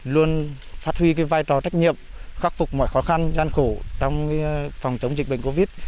luôn phát huy vai trò trách nhiệm khắc phục mọi khó khăn gian khổ trong phòng chống dịch bệnh covid